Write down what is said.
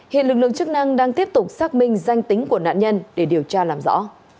hiện lực lượng chức năng đang tiếp tục xác minh danh tính của nạn nhân để điều tra làm rõ